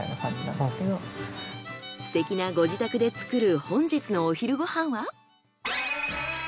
すてきなご自宅で作る本日のお昼ご飯は？